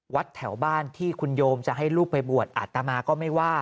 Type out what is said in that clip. วัดแถวบ้านที่คุณโยมจะให้ลูกไปบวชอัตมาก็ไม่ว่า